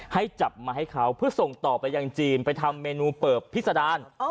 ให้จับมาให้เขาเพื่อส่งต่อไปยังจีนไปทำเมนูเปิบพิษดาร